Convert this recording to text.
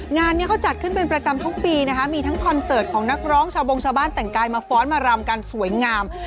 งานนี้เขาจัดขึ้นเป็นประจำทุกปีนะคะมีทั้งคอนเสิร์ตของนักร้องชาวบงชาวบ้านแต่งกายมาฟ้อนมารำกันสวยงาม